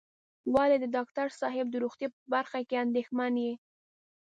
ولې د ډاکټر صاحب د روغتيا په برخه کې اندېښمن یې.